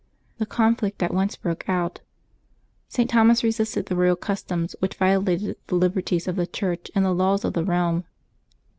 The conflict at once broke out; St. Thomas resisted the royal customs, which violated the liberties of the Church and the laws of the realm.